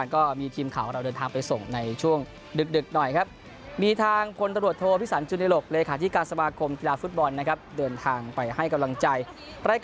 กลุ่มช่วงภาพในรอบคัดเลือกเนี้ย